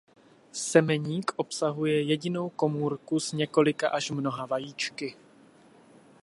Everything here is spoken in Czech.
Semeník obsahuje jedinou komůrku s několika až mnoha vajíčky.